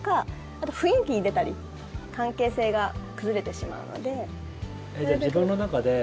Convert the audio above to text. あと、雰囲気に出たり関係性が崩れてしまうので。